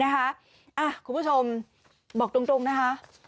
นะคะอ่ะคุณผู้ชมบอกตรงตรงนะคะ